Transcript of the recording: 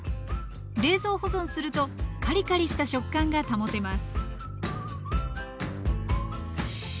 冷蔵保存するとカリカリした食感が保てます